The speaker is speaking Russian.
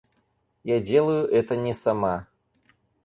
Я делаю это не сама...